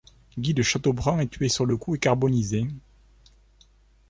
Guy de Chateaubrun est tué sur le coup et carbonisé.